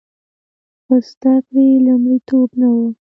خو زده کړې لومړیتوب نه و